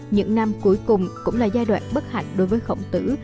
những năm cuối cùng cũng là giai đoạn bất hạnh đối với khổng tử